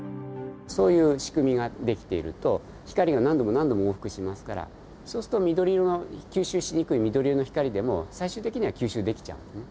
そういう仕組みが出来ていると光が何度も何度も往復しますからそうすると緑色の吸収しにくい緑色の光でも最終的には吸収できちゃうんですね。